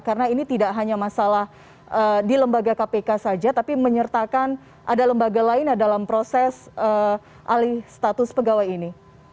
karena ini tidak hanya masalah di lembaga kpk saja tapi menyertakan ada lembaga lain dalam proses alih status pegawai ini